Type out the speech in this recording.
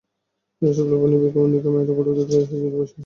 এসব লোভনীয় বিজ্ঞাপন দেখে মায়েরা গুঁড়ো দুধ খাইয়ে শিশুদের ভবিষ্যৎ নষ্ট করছেন।